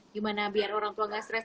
gimana biar orang tua enggak stress